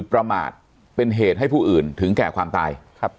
ประมาทเป็นเหตุให้ผู้อื่นถึงแก่ความตาย